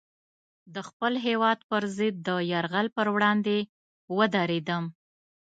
د خپل هېواد پر ضد د یرغل پر وړاندې ودرېدم.